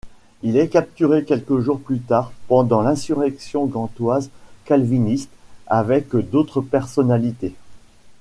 Il est capturé quelques jours plus tard pendant l'insurrection gantoise calviniste avec d'autres personnalités.